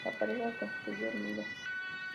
La pareja construye el nido.